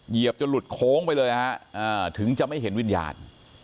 เหยียบจนหลุดโค้งไปเลยฮะถึงจะไม่เห็นวิญญาณ